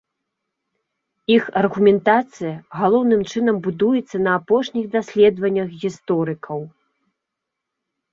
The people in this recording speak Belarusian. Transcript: Іх аргументацыя галоўным чынам будуецца на апошніх даследаваннях гісторыкаў.